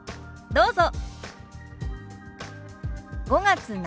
どうぞ。